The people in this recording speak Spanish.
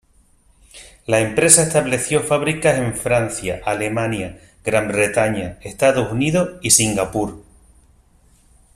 La empresa estableció fábricas en Francia, Alemania, Gran Bretaña, Estados Unidos y Singapur.